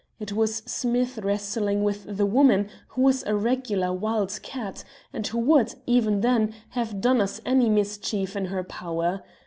It was Smith wrestling with the woman, who was a regular wild cat, and who would, even then, have done us any mischief in her power.